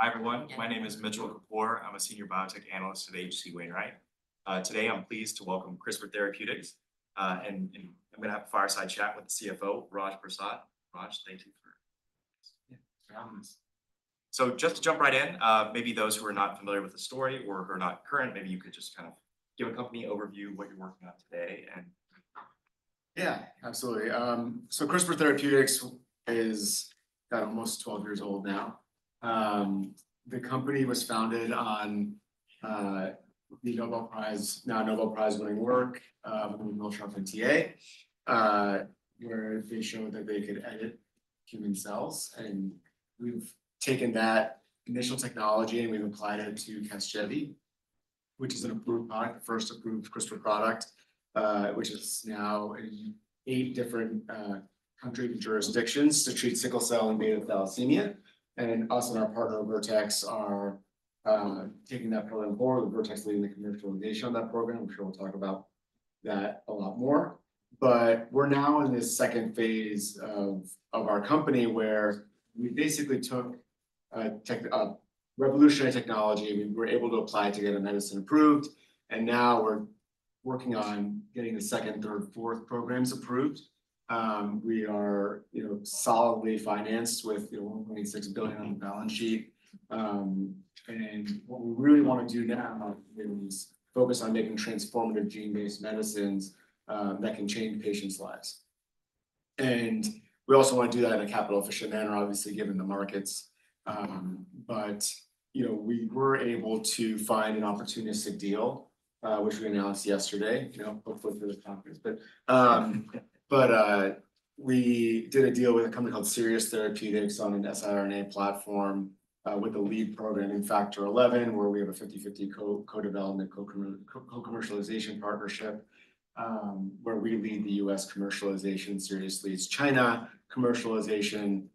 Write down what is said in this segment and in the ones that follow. Hi, everyone. My name is Mitchell Kapoor. I'm a senior biotech analyst at H.C. Wainwright. Today, I'm pleased to welcome CRISPR Therapeutics, and I'm going to have a fireside chat with the CFO, Raju Prasad. Raj, thank you for joining us. Just to jump right in, maybe those who are not familiar with the story or who are not current, maybe you could just kind of give a company overview, what you're working on today, and. Yeah, absolutely. CRISPR Therapeutics is almost 12 years old now. The company was founded on the Nobel Prize, now Nobel Prize-winning work, from the Zhang lab at MIT, where they showed that they could edit human cells. We have taken that initial technology and we have applied it to Casgevy, which is an approved product, the first approved CRISPR product, which is now in eight different countries and jurisdictions to treat sickle cell and beta thalassemia. Us and our partner, Vertex, are taking that program forward. Vertex is leading the commercialization of that program, which we will talk about a lot more. We are now in this second phase of our company where we basically took revolutionary technology. We were able to apply it to get a medicine approved. Now we are working on getting the second, third, fourth programs approved. We are solidly financed with $1.6 billion on the balance sheet. What we really want to do now is focus on making transformative gene-based medicines that can change patients' lives. We also want to do that in a capital-efficient manner, obviously, given the markets. We were able to find an opportunistic deal, which we announced yesterday, hopefully for this conference. We did a deal with a company called Sirius Therapeutics on an siRNA platform with a lead program in Factor XI, where we have a 50/50 co-development, co-commercialization partnership, where we lead the US commercialization. Sirius handles China commercialization.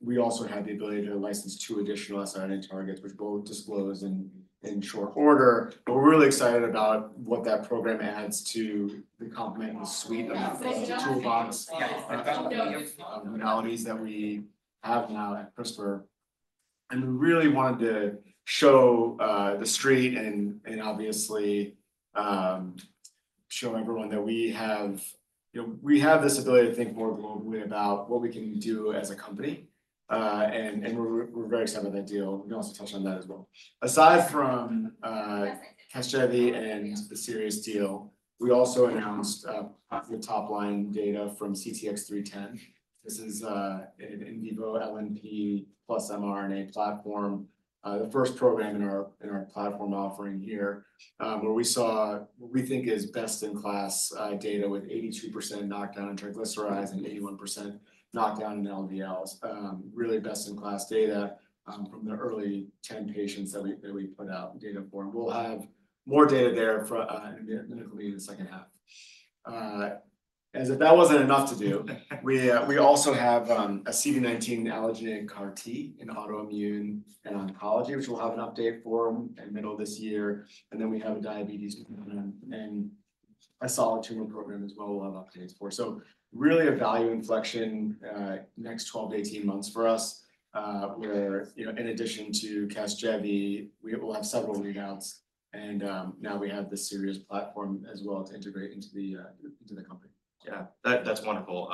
We also had the ability to license two additional siRNA targets, which we'll disclose in short order. We are really excited about what that program adds to the complement and the suite of toolbox modalities that we have now at CRISPR. We really wanted to show the street and obviously show everyone that we have this ability to think more globally about what we can do as a company. We are very excited about that deal. We can also touch on that as well. Aside from Casgevy and the Sirius deal, we also announced top-line data from CTX310. This is an in vivo LNP plus mRNA platform, the first program in our platform offering here, where we saw what we think is best-in-class data with 82% knockdown in triglycerides and 81% knockdown in LDLs. Really best-in-class data from the early 10 patients that we put out data for. We will have more data there in the second half. As if that was not enough to do, we also have a CD19 allergen in CAR-T in autoimmune and oncology, which we will have an update for in the middle of this year. We have a diabetes and a solid tumor program as well we'll have updates for. Really a value inflection next 12 to 18 months for us, where in addition to Casgevy, we will have several readouts. Now we have the Sirius platform as well to integrate into the company. Yeah, that's wonderful.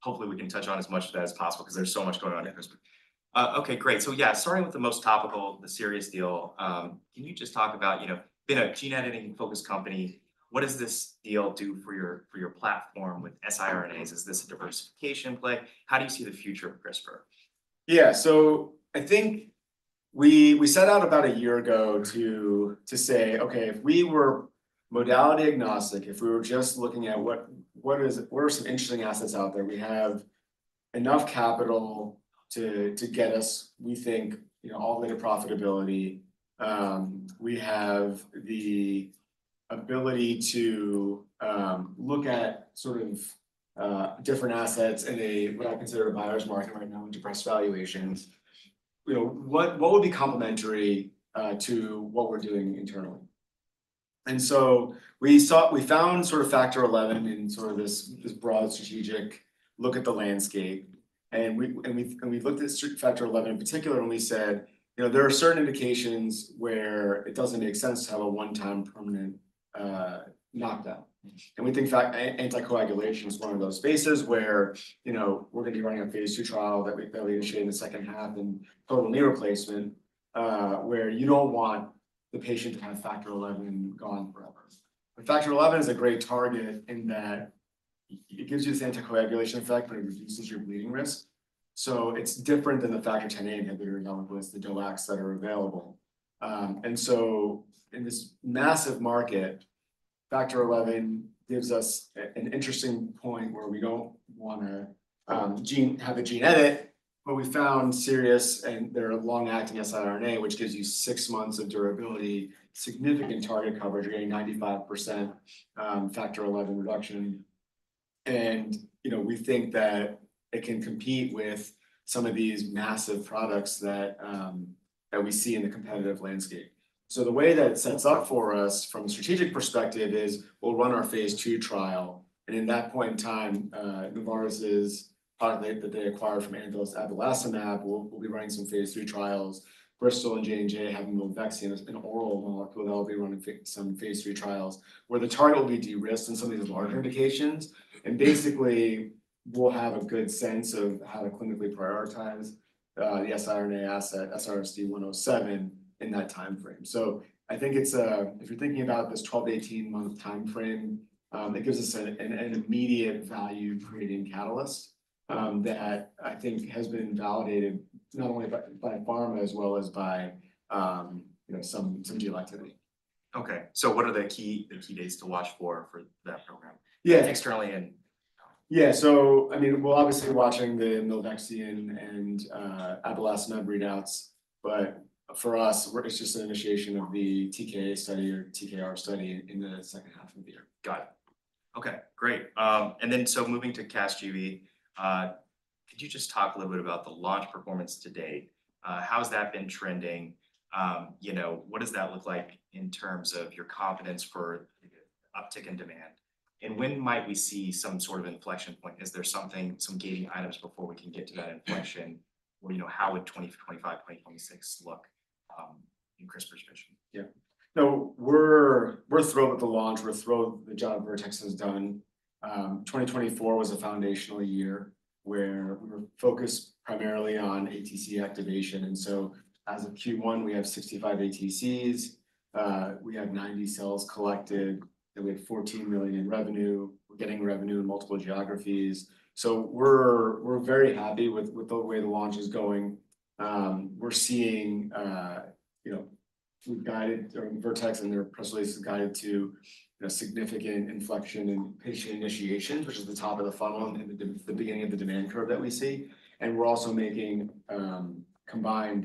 Hopefully, we can touch on as much of that as possible because there's so much going on at CRISPR. Okay, great. Starting with the most topical, the Sirius deal, can you just talk about, being a gene editing-focused company, what does this deal do for your platform with sRNAs? Is this a diversification play? How do you see the future of CRISPR? Yeah, so I think we set out about a year ago to say, okay, if we were modality agnostic, if we were just looking at what are some interesting assets out there, we have enough capital to get us, we think, all the way to profitability. We have the ability to look at sort of different assets in what I consider a buyer's market right now in depressed valuations. What would be complementary to what we're doing internally? We found sort of Factor XI in sort of this broad strategic look at the landscape. We looked at Factor XI in particular and we said, there are certain indications where it doesn't make sense to have a one-time permanent knockdown. We think anticoagulation is one of those spaces where we're going to be running a phase two trial that we initiate in the second half in total knee replacement, where you don't want the patient to have Factor XI gone forever. Factor XI is a great target in that it gives you this anticoagulation effect, but it reduces your bleeding risk. It is different than the Factor XA inhibitor, along with the DOACs that are available. In this massive market, Factor XI gives us an interesting point where we don't want to have a gene edit, but we found Sirius and their long-acting siRNA, which gives you six months of durability, significant target coverage, or 95% Factor XI reduction. We think that it can compete with some of these massive products that we see in the competitive landscape. The way that it sets up for us from a strategic perspective is we'll run our phase two trial. At that point in time, Novartis has a product that they acquired from Anthos Therapeutics, abelacimab. They'll be running some phase three trials. Bristol Myers Squibb and Johnson & Johnson have a vaccine and oral molecule. They'll be running some phase three trials where the target will be de-risked in some of these larger indications. Basically, we'll have a good sense of how to clinically prioritize the siRNA asset, SRSD107, in that time frame. I think if you're thinking about this 12- to 18-month time frame, it gives us an immediate value-creating catalyst that I think has been validated not only by pharma as well as by some deal activity. Okay. So what are the key days to watch for that program? Yeah. Externally and. Yeah. So I mean, we'll obviously be watching the Novartis and abelacimab readouts. But for us, it's just an initiation of the TKA study or TKR study in the second half of the year. Got it. Okay, great. Then moving to Casgevy, could you just talk a little bit about the launch performance to date? How has that been trending? What does that look like in terms of your confidence for uptick in demand? When might we see some sort of inflection point? Is there some gating items before we can get to that inflection? How would 2025, 2026 look in CRISPR's vision? Yeah. So we're thrilled with the launch. We're thrilled with the job Vertex has done. 2024 was a foundational year where we were focused primarily on ATC activation. As of Q1, we have 65 ATCs. We have 90 cells collected. We have $14 million in revenue. We're getting revenue in multiple geographies. We're very happy with the way the launch is going. We're seeing Vertex and their press release has guided to significant inflection in patient initiation, which is the top of the funnel and the beginning of the demand curve that we see. We're also making combined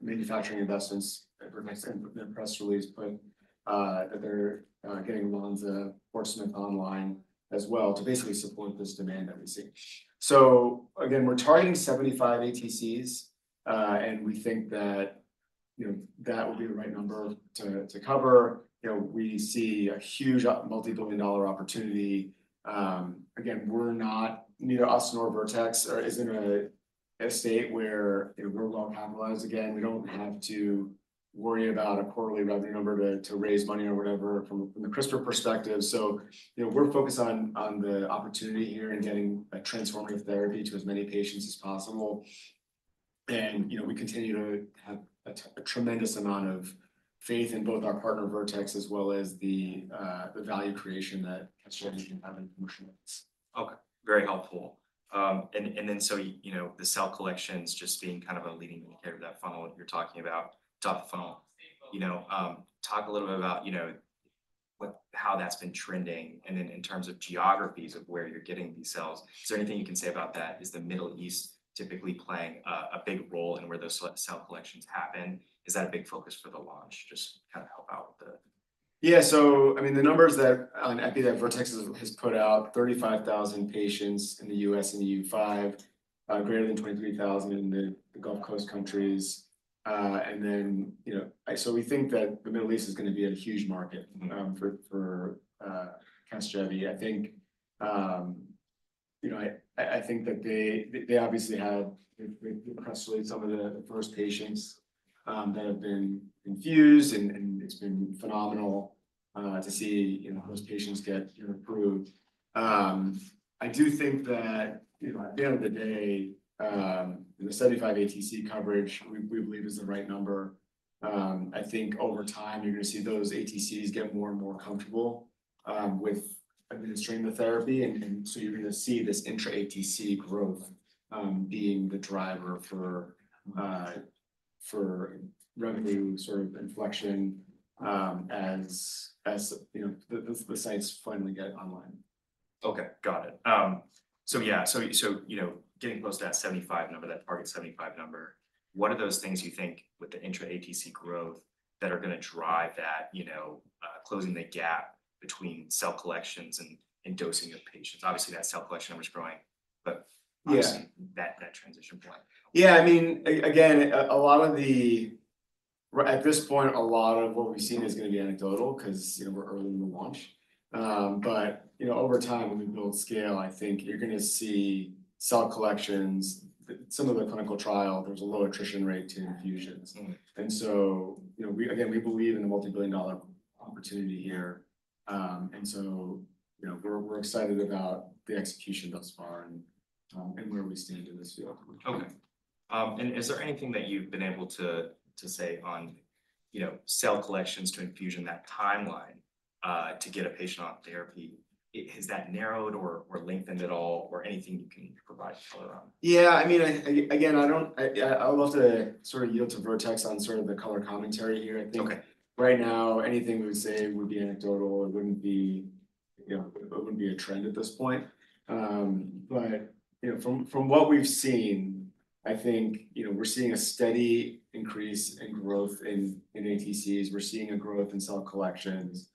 manufacturing investments that Vertex and the press release put that they're getting along the Portsmouth online as well to basically support this demand that we see. We're targeting 75 ATCs. We think that that will be the right number to cover. We see a huge multi-billion dollar opportunity. Again, we're not, neither us nor Vertex is in a state where we're well capitalized. Again, we don't have to worry about a quarterly revenue number to raise money or whatever from the CRISPR perspective. We're focused on the opportunity here in getting a transformative therapy to as many patients as possible. We continue to have a tremendous amount of faith in both our partner, Vertex, as well as the value creation that Casgevy can have in commercialization. Okay. Very helpful. The cell collections just being kind of a leading indicator of that funnel you're talking about, top of funnel. Talk a little bit about how that's been trending. In terms of geographies of where you're getting these cells, is there anything you can say about that? Is the Middle East typically playing a big role in where those cell collections happen? Is that a big focus for the launch? Just kind of help out with the. Yeah. I mean, the numbers that IP that Vertex has put out, 35,000 patients in the US and the U5, greater than 23,000 in the Gulf countries. We think that the Middle East is going to be a huge market for Casgevy. I think that they obviously have pressed some of the first patients that have been infused. It's been phenomenal to see those patients get approved. I do think that at the end of the day, the 75 ATC coverage, we believe, is the right number. I think over time, you're going to see those ATCs get more and more comfortable with administering the therapy. You're going to see this intra-ATC growth being the driver for revenue sort of inflection as the sites finally get online. Okay. Got it. Yeah, getting close to that 75 number, that target 75 number, what are those things you think with the intra-ATC growth that are going to drive that, closing the gap between cell collections and dosing of patients? Obviously, that cell collection number is growing, but that transition point. Yeah. I mean, again, a lot of the, at this point, a lot of what we've seen is going to be anecdotal because we're early in the launch. Over time, when we build scale, I think you're going to see cell collections, some of the clinical trial, there's a low attrition rate to infusions. Again, we believe in the multi-billion dollar opportunity here. We're excited about the execution thus far and where we stand in this field. Okay. Is there anything that you've been able to say on cell collections to infusion, that timeline to get a patient on therapy, has that narrowed or lengthened at all or anything you can provide color on? Yeah. I mean, again, I would love to sort of yield to Vertex on sort of the color commentary here. I think right now, anything we would say would be anecdotal. It would not be a trend at this point. From what we've seen, I think we're seeing a steady increase in growth in ATCs. We're seeing a growth in cell collections.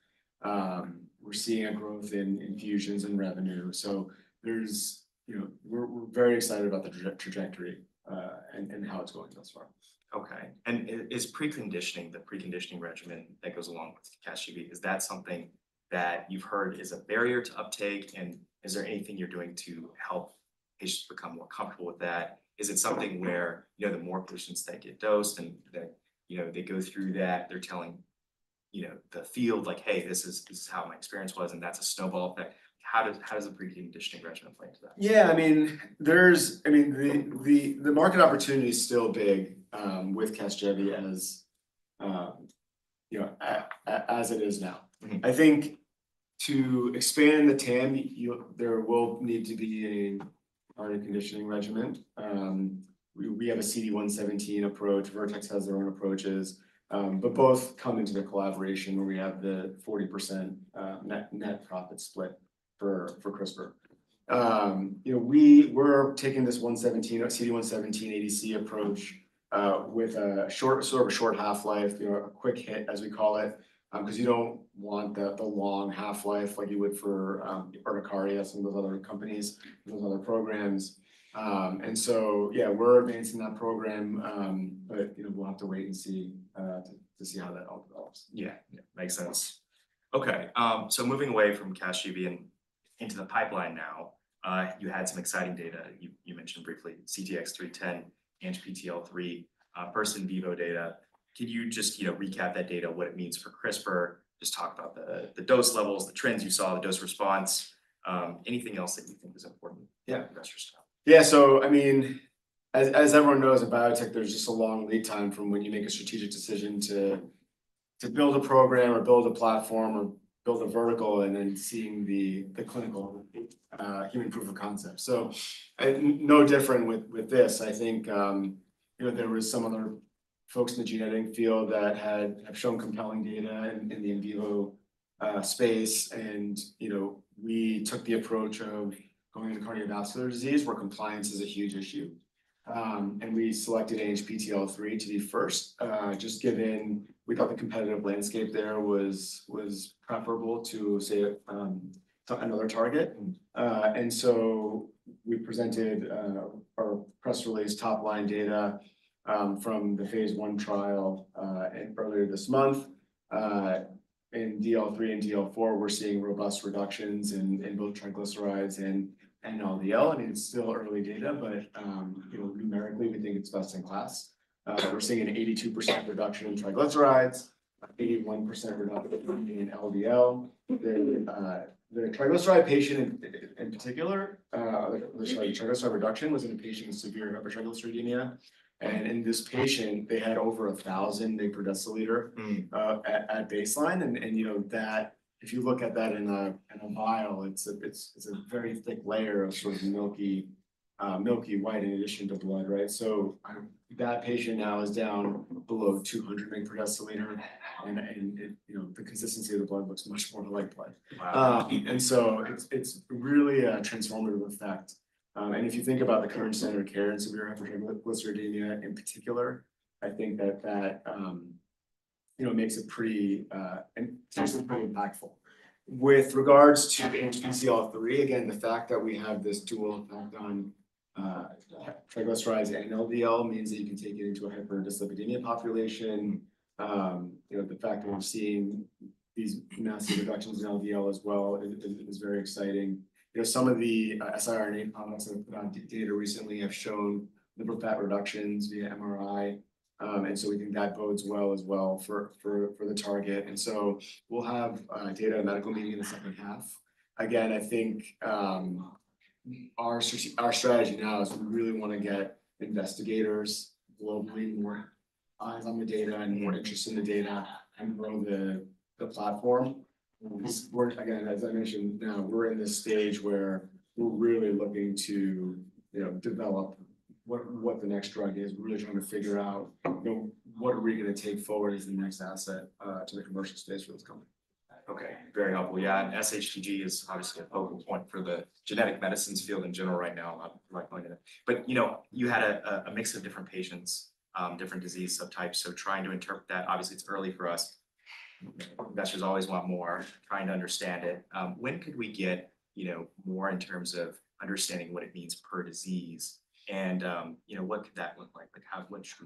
We're seeing a growth in infusions and revenue. We are very excited about the trajectory and how it's going thus far. Okay. Is preconditioning, the preconditioning regimen that goes along with Casgevy, is that something that you've heard is a barrier to uptake? Is there anything you're doing to help patients become more comfortable with that? Is it something where the more patients that get dosed and they go through that, they're telling the field, like, "Hey, this is how my experience was, and that's a snowball effect." How does the preconditioning regimen play into that? Yeah. I mean, the market opportunity is still big with Casgevy as it is now. I think to expand the TAM, there will need to be an RNA conditioning regimen. We have a CD117 approach. Vertex has their own approaches. Both come into the collaboration where we have the 40% net profit split for CRISPR. We're taking this CD117 ADC approach with sort of a short half-life, a quick hit, as we call it, because you don't want the long half-life like you would for Ergocardias, some of those other companies, those other programs. Yeah, we're advancing that program, but we'll have to wait and see to see how that all develops. Yeah. Makes sense. Okay. Moving away from Casgevy and into the pipeline now, you had some exciting data. You mentioned briefly CTX310, ANGPTL3, first in vivo data. Can you just recap that data, what it means for CRISPR? Just talk about the dose levels, the trends you saw, the dose response, anything else that you think is important to investors? Yeah. Yeah. I mean, as everyone knows in biotech, there's just a long lead time from when you make a strategic decision to build a program or build a platform or build a vertical and then seeing the clinical human proof of concept. No different with this. I think there were some other folks in the gene editing field that have shown compelling data in the in vivo space. We took the approach of going into cardiovascular disease where compliance is a huge issue. We selected ANGPTL3 to be first just given we thought the competitive landscape there was preferable to, say, another target. We presented our press release top-line data from the Phase I trial earlier this month. In DL3 and DL4, we're seeing robust reductions in both triglycerides and LDL. I mean, it's still early data, but numerically, we think it's best in class. We're seeing an 82% reduction in triglycerides, 81% reduction in LDL. The triglyceride patient in particular, the triglyceride reduction was in a patient with severe hypertriglyceridemia. And in this patient, they had over 1,000 microdeciliter at baseline. If you look at that in a vial, it's a very thick layer of sort of milky white in addition to blood, right? That patient now is down below 200 microdeciliter. The consistency of the blood looks much more like blood. It's really a transformative effect. If you think about the current standard of care in severe hypertriglyceridemia in particular, I think that that makes it pretty impactful. With regards to ANGPTL3, again, the fact that we have this dual effect on triglycerides and LDL means that you can take it into a hyper-dyslipidemia population. The fact that we're seeing these massive reductions in LDL as well is very exciting. Some of the siRNA products that have put on data recently have shown liver fat reductions via MRI. We think that bodes well as well for the target. We'll have data and medical meeting in the second half. Again, I think our strategy now is we really want to get investigators globally, more eyes on the data and more interest in the data and grow the platform. Again, as I mentioned, now we're in this stage where we're really looking to develop what the next drug is. We're really trying to figure out what are we going to take forward as the next asset to the commercial space for this company. Okay. Very helpful. Yeah. And sHTG is obviously a focal point for the genetic medicines field in general right now. I'm not going to. You had a mix of different patients, different disease subtypes. Trying to interpret that, obviously, it's early for us. Investors always want more, trying to understand it. When could we get more in terms of understanding what it means per disease? What could that look like? What should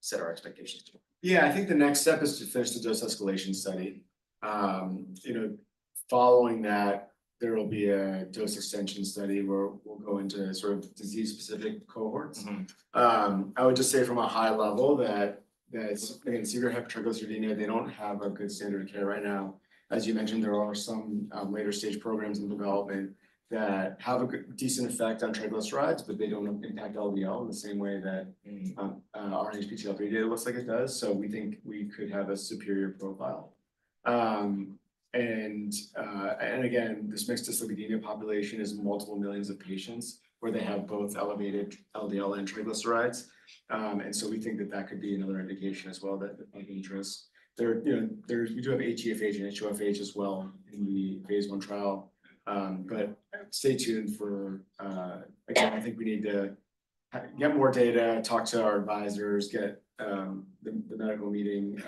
set our expectations? Yeah. I think the next step is to finish the dose escalation study. Following that, there will be a dose extension study where we'll go into sort of disease-specific cohorts. I would just say from a high level that, again, severe hypertriglyceridemia, they don't have a good standard of care right now. As you mentioned, there are some later-stage programs in development that have a decent effect on triglycerides, but they don't impact LDL in the same way that our ANGPTL3 data looks like it does. We think we could have a superior profile. Again, this mixed dyslipidemia population is multiple millions of patients where they have both elevated LDL and triglycerides. We think that that could be another indication as well that of interest. We do have HeFH and HoFH as well in the Phase I trial. Stay tuned for, again, I think we need to get more data, talk to our advisors, get the medical meeting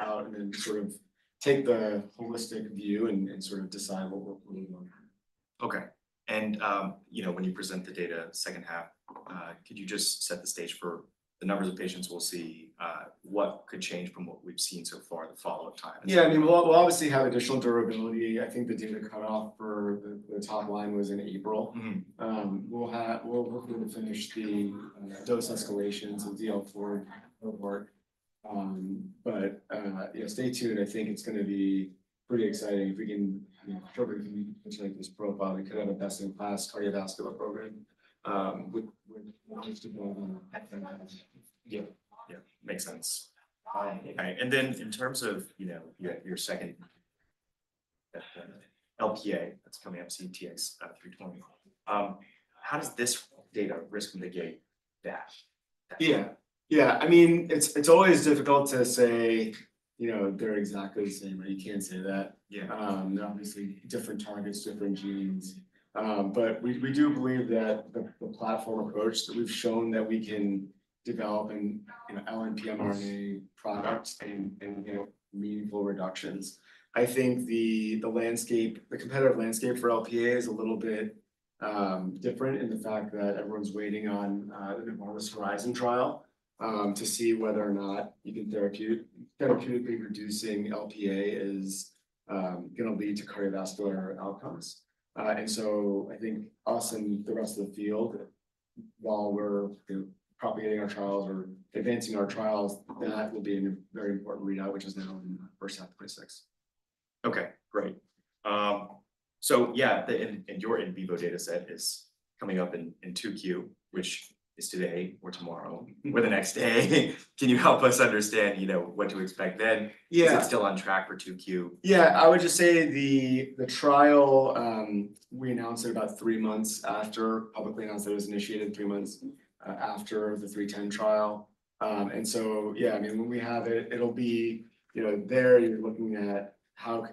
out, and then sort of take the holistic view and sort of decide what we're looking for. Okay. When you present the data second half, could you just set the stage for the numbers of patients we'll see? What could change from what we've seen so far in the follow-up time? Yeah. I mean, we'll obviously have additional durability. I think the data cut off for the top line was in April. We'll hopefully finish the dose escalations and DL4 cohort. Stay tuned. I think it's going to be pretty exciting. If we can show this profile, we could have a best-in-class cardiovascular program with the most development. Yeah. Yeah. Makes sense. All right. In terms of your second LPA that's coming up, CTX320, how does this data risk mitigate that? Yeah. Yeah. I mean, it's always difficult to say they're exactly the same, or you can't say that. Obviously, different targets, different genes. But we do believe that the platform approach that we've shown that we can develop in LNP mRNA products and meaningful reductions. I think the competitive landscape for LPA is a little bit different in the fact that everyone's waiting on the Novartis Horizon trial to see whether or not you can therapeutically reduce LPA is going to lead to cardiovascular outcomes. I think us and the rest of the field, while we're propagating our trials or advancing our trials, that will be a very important readout, which is now in first half of phase six. Okay. Great. So yeah, and your in vivo data set is coming up in 2Q, which is today or tomorrow or the next day. Can you help us understand what to expect then? Is it still on track for 2Q? Yeah. I would just say the trial, we announced it about three months after, publicly announced that it was initiated three months after the 310 trial. Yeah, I mean, when we have it, it'll be there. You're looking at how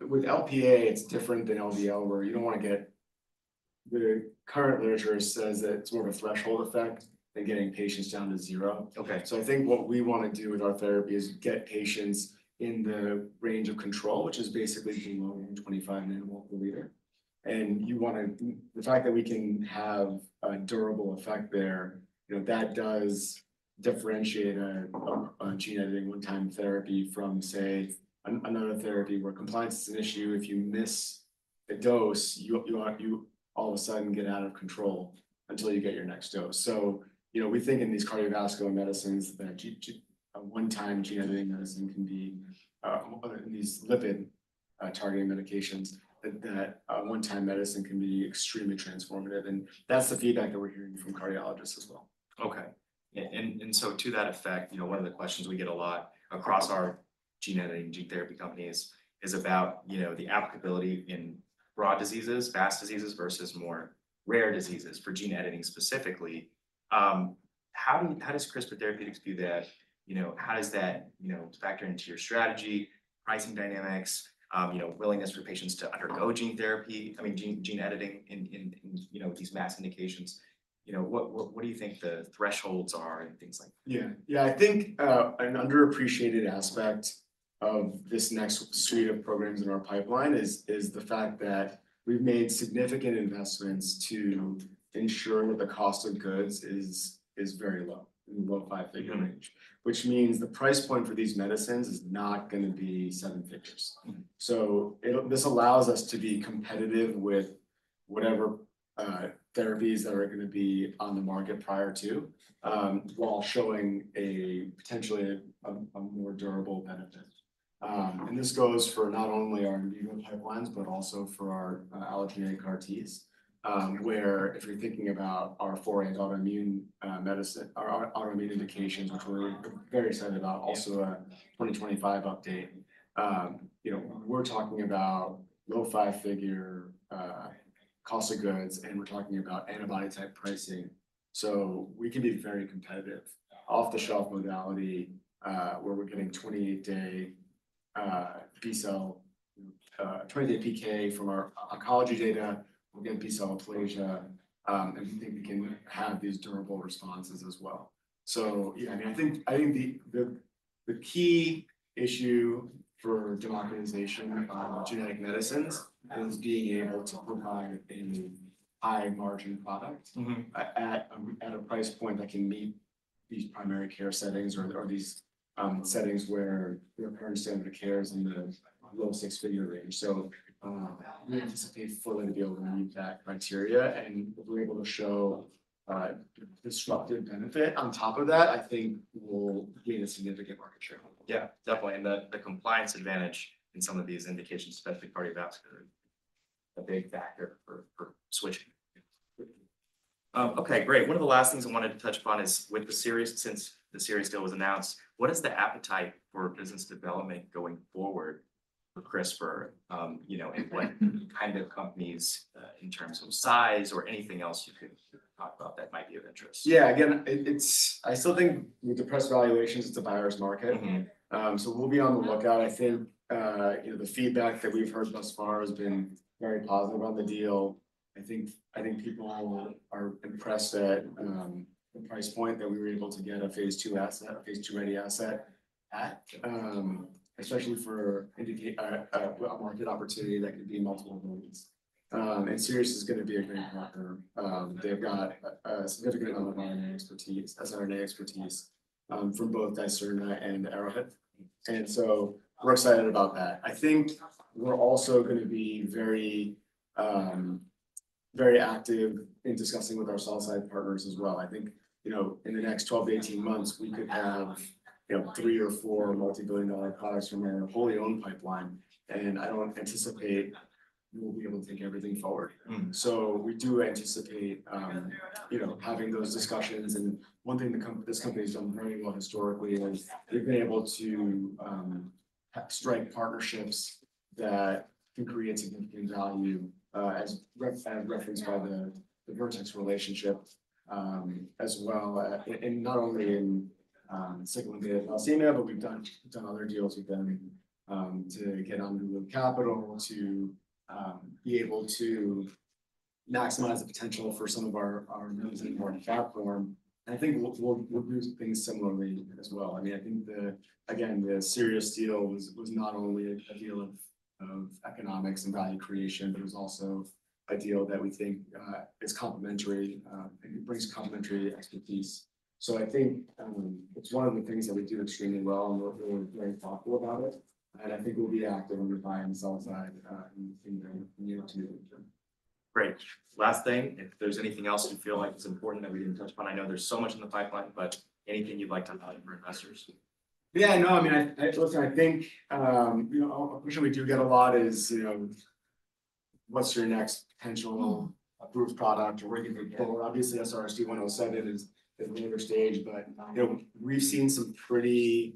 with LPA, it's different than LDL where you don't want to get—the current literature says that it's more of a threshold effect than getting patients down to zero. I think what we want to do with our therapy is get patients in the range of control, which is basically below 25 millimol per liter. The fact that we can have a durable effect there, that does differentiate a gene editing one-time therapy from, say, another therapy where compliance is an issue. If you miss the dose, you all of a sudden get out of control until you get your next dose. We think in these cardiovascular medicines, that one-time gene editing medicine can be in these lipid-targeting medications, that one-time medicine can be extremely transformative. That's the feedback that we're hearing from cardiologists as well. Okay. To that effect, one of the questions we get a lot across our gene editing and gene therapy companies is about the applicability in broad diseases, vast diseases versus more rare diseases for gene editing specifically. How does CRISPR Therapeutics do that? How does that factor into your strategy, pricing dynamics, willingness for patients to undergo gene therapy, I mean, gene editing in these mass indications? What do you think the thresholds are and things like that? Yeah. Yeah. I think an underappreciated aspect of this next suite of programs in our pipeline is the fact that we've made significant investments to ensure that the cost of goods is very low, in the low five-figure range, which means the price point for these medicines is not going to be seven figures. This allows us to be competitive with whatever therapies that are going to be on the market prior to while showing potentially a more durable benefit. This goes for not only our in vivo pipelines, but also for our allogeneic RTs, where if you're thinking about our four-angle autoimmune medicine, our autoimmune indications, which we're very excited about, also a 2025 update. We're talking about low five-figure cost of goods, and we're talking about antibody-type pricing. We can be very competitive. Off-the-shelf modality where we're getting 28-day B-cell, 28-day PK from our oncology data. We'll get B-cell aplasia. I mean, I think we can have these durable responses as well. Yeah, I mean, I think the key issue for democratization of genetic medicines is being able to provide a high-margin product at a price point that can meet these primary care settings or these settings where the current standard of care is in the low six-figure range. We anticipate fully to be able to meet that criteria. If we're able to show disruptive benefit on top of that, I think we'll gain a significant market share. Yeah. Definitely. The compliance advantage in some of these indications, especially cardiovascular, is a big factor for switching. Okay. Great. One of the last things I wanted to touch upon is with the series, since the series still was announced, what is the appetite for business development going forward for CRISPR? What kind of companies in terms of size or anything else you can talk about that might be of interest? Yeah. Again, I still think with depressed valuations, it's a buyer's market. We'll be on the lookout. I think the feedback that we've heard thus far has been very positive on the deal. I think people are impressed at the price point that we were able to get a phase two asset, a phase two ready asset at, especially for a market opportunity that could be multiple millions. Sirius is going to be a great partner. They've got a significant amount of RNA expertise, siRNA expertise from both Dicerna and Arrowhead. We're excited about that. I think we're also going to be very active in discussing with our sell-side partners as well. I think in the next 12-18 months, we could have three or four multi-billion dollar products from our wholly owned pipeline. I don't anticipate we'll be able to take everything forward. We do anticipate having those discussions. One thing this company has done very well historically is they've been able to strike partnerships that can create significant value, as referenced by the Vertex relationship, as well as not only in sickle and beta thalassemia, but we've done other deals with them to get onto the capital to be able to maximize the potential for some of our news and market platform. I think we'll do things similarly as well. I mean, I think, again, the Sirius deal was not only a deal of economics and value creation, but it was also a deal that we think is complementary and brings complementary expertise. I think it's one of the things that we do extremely well, and we're very thoughtful about it. I think we'll be active under buying the sell-side in the near to medium term. Great. Last thing, if there's anything else you feel like it's important that we didn't touch upon, I know there's so much in the pipeline, but anything you'd like to highlight for investors? Yeah. No, I mean, listen, I think a question we do get a lot is, what's your next potential approved product? Obviously, SRSD107 is in the later stage, but we've seen some pretty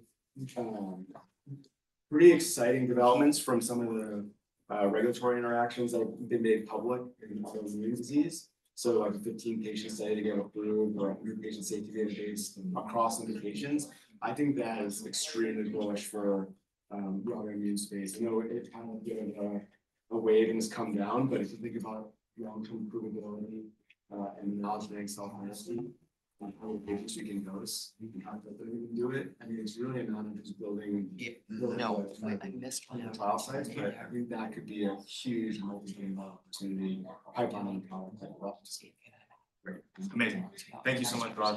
exciting developments from some of the regulatory interactions that have been made public in autoimmune disease. So like a 15-patient study to get approved or a 100-patient safety database across indications. I think that is extremely bullish for the autoimmune space. I know it kind of a wave and has come down, but if you think about long-term provability and the knowledge of self-medicine, how many patients you can dose, how does everything do it? I mean, it's really a matter of just building trial sites, but I think that could be a huge multi-billion dollar opportunity. Amazing. Thank you so much, Raj.